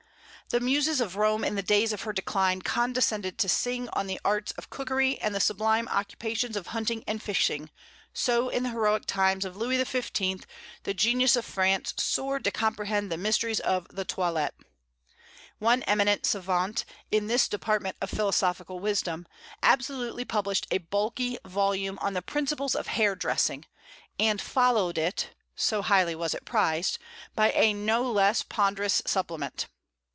The muses of Rome in the days of her decline condescended to sing on the arts of cookery and the sublime occupations of hunting and fishing; so in the heroic times of Louis XV. the genius of France soared to comprehend the mysteries of the toilet. One eminent savant, in this department of philosophical wisdom, absolutely published a bulky volume on the principles of hair dressing, and followed it so highly was it prized by a no less ponderous supplement.